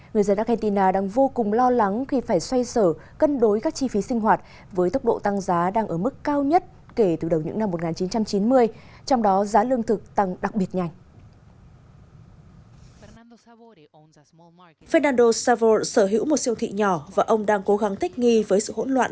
người dân argentina đang vô cùng lo lắng khi phải xoay sở cân đối các chi phí sinh hoạt với tốc độ tăng giá đang ở mức cao nhất kể từ đầu những năm một nghìn chín trăm chín mươi